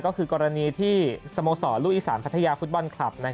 ก็คือกรณีที่สโมสรลูกอีสานพัทยาฟุตบอลคลับ